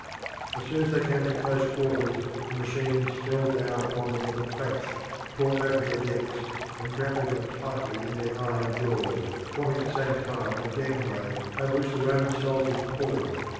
As soon as they came to close quarters the machines fell down upon them with a crash, tore open their decks, and grappled them tightly in their iron jaws, forming at the same time a gangway over which the Roman soldiers poured.